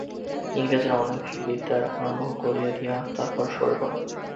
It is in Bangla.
ইংরেজরা অনেক বিদ্যার আরম্ভ করে দিয়ে তারপর সরে পড়ে।